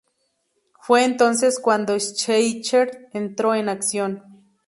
Fue entonces cuando Schleicher entró en acción.